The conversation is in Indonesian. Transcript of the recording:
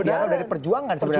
dianggap dari perjuangan